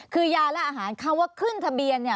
คือยาและอาหารคำว่าขึ้นทะเบียนเนี่ย